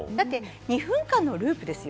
２分間のループですよ。